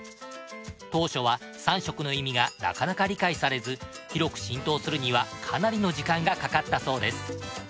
当初は３色の意味がなかなか理解されず広く浸透するにはかなりの時間がかかったそうです。